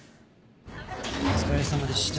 お疲れさまでした。